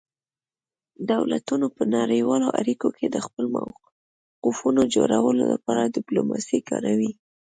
دولتونه په نړیوالو اړیکو کې د خپلو موقفونو جوړولو لپاره ډیپلوماسي کاروي